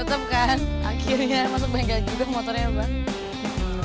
akhirnya masuk bengkel juga motornya bang